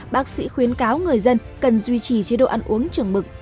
bác sĩ khuyến cáo người dân cần duy trì chế độ ăn uống trường mực